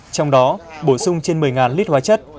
trong đó bổ sung trên một mươi lít hóa chất